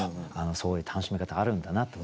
そういう楽しみ方あるんだなと。